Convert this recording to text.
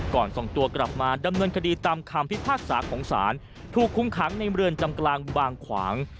ส่งตัวกลับมาดำเนินคดีตามคำพิพากษาของศาลถูกคุมขังในเมืองจำกลางบางขวาง